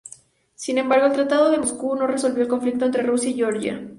Sin embargo, el Tratado de Moscú no resolvió el conflicto entre Rusia y Georgia.